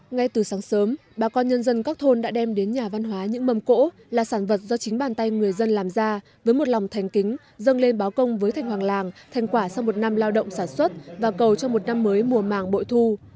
ngay từ sáng sớm bà con nhân dân các thôn đã đem đến nhà văn hóa những mầm cỗ là sản vật do chính bàn tay người dân làm ra với một lòng thành kính dâng lên báo công với thanh hoàng làng thành quả sau một năm lao động sản xuất và cầu cho một năm mới mùa màng bội thu